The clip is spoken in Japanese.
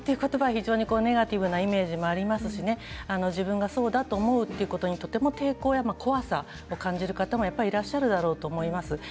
非常にネガティブなイメージもありますし自分がそうだと思うということにとても抵抗怖さを感じる方もいらっしゃるだろうと思います。